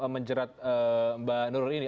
menjerat mbak nuril ini